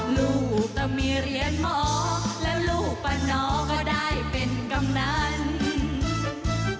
ลูกก็มีเรียนหมอและลูกปะนอก็ได้เป็นกำนัน